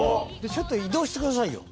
ちょっと移動してくださいよ。